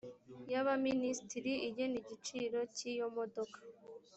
y abaminisitiri igena igiciro cy iyo modoka